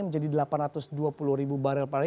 menjadi delapan ratus dua puluh barrel per hari